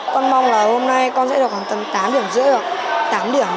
con mong là hôm nay con sẽ được khoảng tầm tám năm